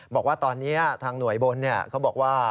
บอกว่าตอนนี้ทางหน่วยบนเขาบอกว่า